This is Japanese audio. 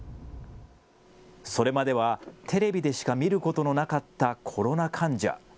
それまではテレビでしか見ることのなかったコロナ患者。